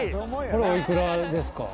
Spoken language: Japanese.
これおいくらですか？